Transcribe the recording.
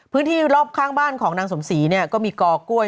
พื้นที่รอบข้างบ้านของนางสมศรีก็มีก่อกล้วย